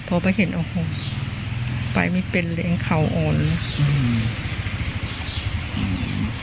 พอไปเห็นโอ้โฮไปไม่เป็นเลยเขาอ่อนเลย